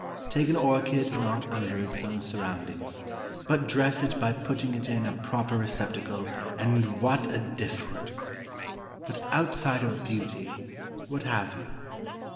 Take an orchid not under its own surroundings, but dress it by putting it in a proper receptacle, and what a difference! But, outside of beauty what have you?